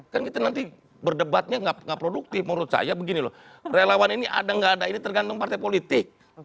kan kita nanti berdebatnya nggak produktif menurut saya begini loh relawan ini ada nggak ada ini tergantung partai politik